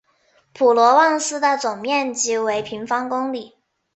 普罗旺斯的总面积为平方公里。